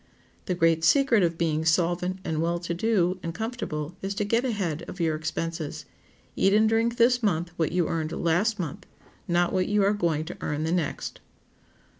The great secret of being solvent and well to do and comfortable is to get ahead of your expenses. Eat and drink this month what you earned last month, not what you are going to earn the next.